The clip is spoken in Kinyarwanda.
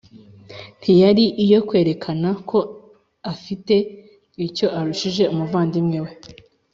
ntiyari iyo kwerekana ko afite icyo arushije umuvandimwe we